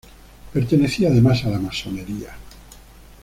Pertenecía además a la masonería.